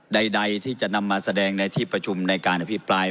ใดที่จะนำมาแสดงในพื้นที่ประชุมและการพี่ปลาย